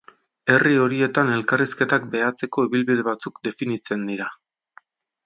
Herri horietan, elkarrizketak behatzeko ibilbide batzuk definitzen dira.